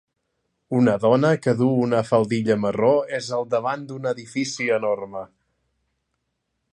Una dona que duu una faldilla marró és al davant d'un edifici enorme.